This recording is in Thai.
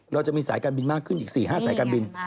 เราจะมีสายการบินมากขึ้นอีก๔๕สายการบิน